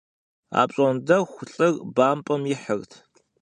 Апщӏондэху лӏыр бампӏэм ихьырт.